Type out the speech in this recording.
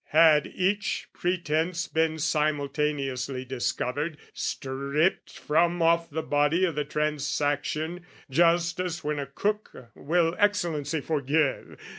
Had each pretence Been simultaneously discovered, stripped From off the body o' the transaction, just As when a cook...will Excellency forgive?